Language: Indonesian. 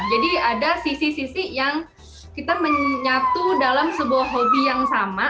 jadi ada sisi sisi yang kita menyatu dalam sebuah hobi yang sama